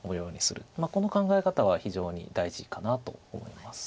この考え方は非常に大事かなと思います。